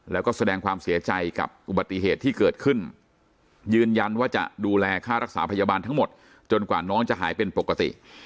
แล้วก็แสดงความเสียใจกับอุบัติเหตุที่เกิดขึ้นยืนยันว่าจะดูแลค่ารักษาพยาบาลทั้งหมดจนกว่าน้องจะหายเป็นปกติ